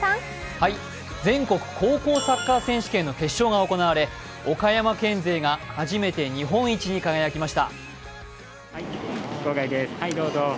全国高校サッカー選手権の決勝が行われ岡山県勢が初めて日本一に輝きました。